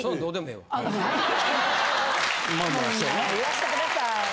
もう言わしてください。